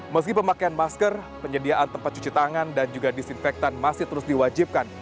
meski pemakaian masker penyediaan tempat cuci tangan dan juga disinfektan masih terus diwajibkan